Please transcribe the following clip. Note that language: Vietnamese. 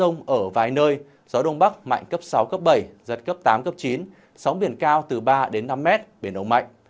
trường sa sẽ có mưa rông ở vài nơi gió đông bắc mạnh cấp sáu cấp bảy giật cấp tám cấp chín sóng biển cao từ ba năm mét biển đông mạnh